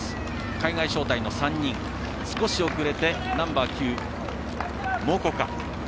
海外招待の３人、少し遅れてナンバー９、モコカ。